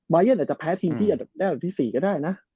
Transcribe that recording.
เย็นอาจจะแพ้ทีมที่ได้อันดับที่๔ก็ได้นะ